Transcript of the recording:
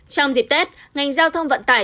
trong dịp tết ngành giao thông vận tải